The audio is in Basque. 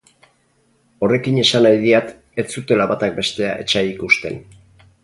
Horrekin esan nahi diat ez zutela batak bestea etsai ikusten.